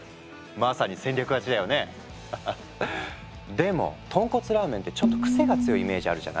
でも豚骨ラーメンってちょっと癖が強いイメージあるじゃない？